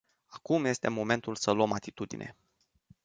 Acum este momentul să luăm atitudine.